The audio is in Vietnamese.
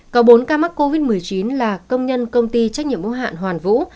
còn bốn ca mắc covid một mươi chín là công nhân công ty trách nhiệm mẫu hạn hoàn vũ